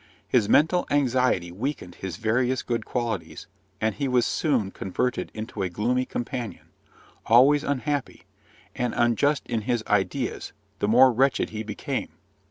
His mental anxiety weakened his various good qualities; and he was soon converted into a gloomy companion, always unhappy and unjust in his ideas, the more wretched he became.